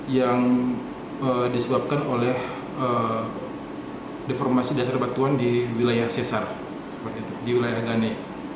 yang disebabkan oleh deformasi dasar batuan di wilayah sesar di wilayah gane